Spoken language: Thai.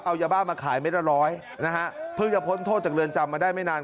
เอายาบ้ามาขายเม็ดละร้อยนะฮะเพิ่งจะพ้นโทษจากเรือนจำมาได้ไม่นาน